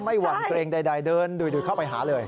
ไม่หวั่นตัวเองใดเดินดูดูเข้าไปหาเลย